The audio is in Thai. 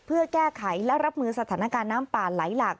เพื่อแก้ไขและรับมือสถานการณ์น้ำป่าไหลหลาก